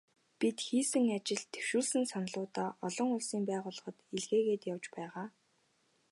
Бид хийсэн ажил, дэвшүүлсэн саналуудаа олон улсын байгууллагуудад илгээгээд явж байгаа.